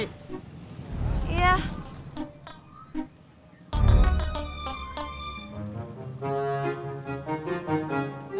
kamu tunggu sini sebentar ya biar gue aja yang nyari